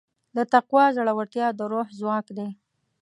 د تقوی زړورتیا د روح ځواک دی.